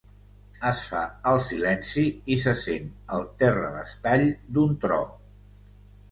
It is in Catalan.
Es fa el silenci i se sent el terrabastall d'un tro.